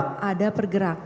ke arah mana benda itu bergerak